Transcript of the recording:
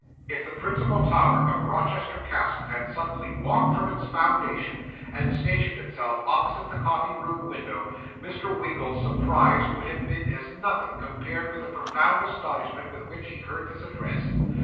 If the principal tower of Rochester Castle had suddenly walked from its foundation, and stationed itself opposite the coffee room window, Mr. Winkle's surprise would have been as nothing compared with the profound astonishment with which he had heard this address.